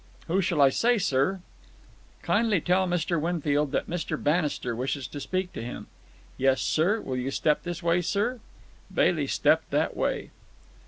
Who shall I say, sir?" "Kindly tell Mr. Winfield that Mr. Bannister wishes to speak to him." "Yes, sir. Will you step this way, sir?" Bailey stepped that way.